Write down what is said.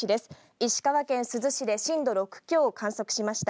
石川県珠洲市で震度６強を観測しました。